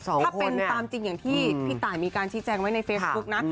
ถ้าเป็นตามจริงอย่างที่พี่ตายมีการชี้แจงไว้ในเฟซบุ๊กนะ